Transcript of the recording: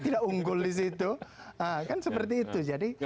tidak unggul disitu akan seperti itu jadi